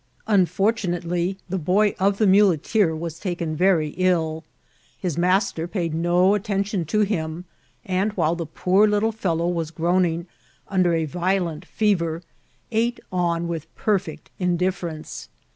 Unfortunately, the boy of the muleteer was taken very ill ; his master paid no attention to him, and, while the poor little fellow was groaning under a violent fe ver, ate on with perfect indifference.